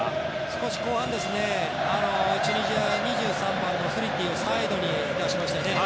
少し、後半チュニジア２３番のスリティをサイドに出しましたよね。